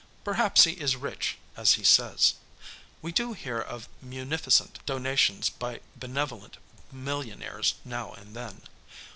Perhaps he is rich, as he says. We do hear of munificent donations by benevolent millionaires now and then.